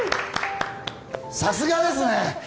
さすがですね！